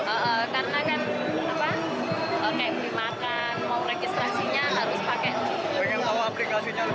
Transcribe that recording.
ada kendala nggak sampai sepetik ini